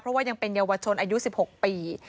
เพราะว่ายังเป็นเยาวชนอายุ๑๖ปี